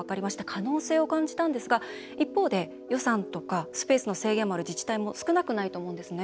可能性を感じたんですが一方で、予算とかスペースの制限もある自治体も少なくないと思うんですね。